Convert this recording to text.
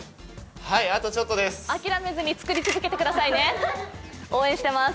諦めずに作り続けてくださいね、応援してます。